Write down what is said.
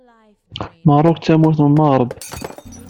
Merruk d tamurt n lmeɣreb.